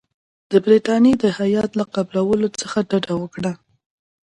د برټانیې د هیات له قبولولو څخه ډډه وکړه.